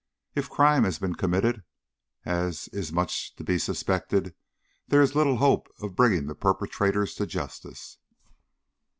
If crime has been committed, as is much to be suspected, there is little hope of bringing the perpetrators to justice."